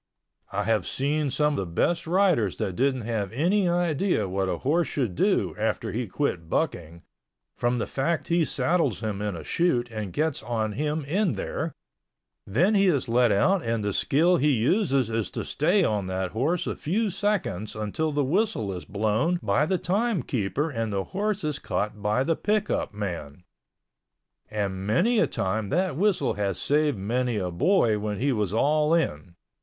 I have seen some the best riders that didn't have any idea what a horse should do after he quit bucking, from the fact he saddles him in a chute and gets on him in there—then he is let out and the skill he uses is to stay on that horse a few seconds until the whistle is blown by the time keeper and the horse is caught by the pick up man—and many a time that whistle has saved many a boy when he was all in.